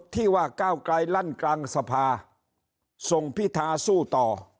ทรงพิธาสู้ต่อ